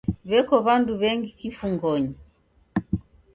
W'eko w'andu w'engi kifungonyi.